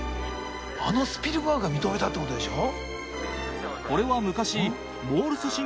あのスピルバーグが認めたってことでしょ？